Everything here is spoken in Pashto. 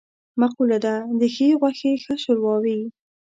مقوله ده: د ښې غوښې ښه شوروا وي.